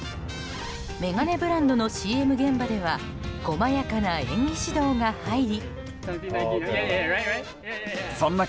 眼鏡ブランドのＣＭ現場では細やかな演技指導が入り。